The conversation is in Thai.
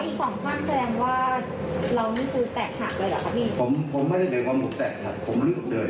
ที่นี่บ้านหลังใหม่ก็ยังไม่สร้างอาจจะสร้างบ้านใหม่ห้ามค้าห้ามถือเป็นเต็ม